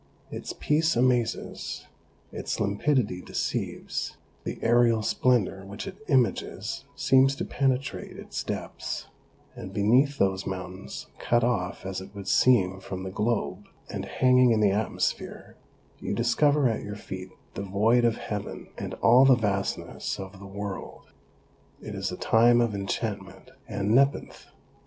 Its peace amazes, its limpidity deceives, the aerial splendour which it images seems to penetrate its depths, and beneath those mountains, cut off as it would seem from the globe, and hanging in the atmosphere, you discover at your feet the void of heaven and all the vastness of the world. It is a time of enchantment and nepenthe.